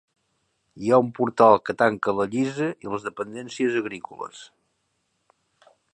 Hi ha un portal que tanca la lliça i les dependències agrícoles.